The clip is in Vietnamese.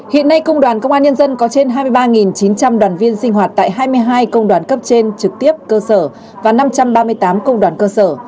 hiện nay công đoàn công an nhân dân có trên hai mươi ba chín trăm linh đoàn viên sinh hoạt tại hai mươi hai công đoàn cấp trên trực tiếp cơ sở và năm trăm ba mươi tám công đoàn cơ sở